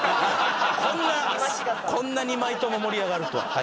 こんなこんな２枚とも盛り上がるとは。